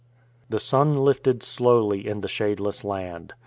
^ The sun lifted slowly in the shadeless land.